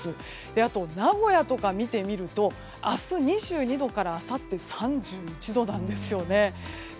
あと、名古屋とか見てみると明日、２２度からあさって、３１度なんですよね。